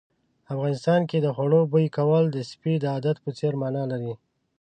افغانستان کې د خوړو بوي کول د سپي د عادت په څېر مانا لري.